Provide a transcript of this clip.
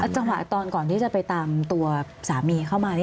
จังหวะตอนก่อนที่จะไปตามตัวสามีเข้ามา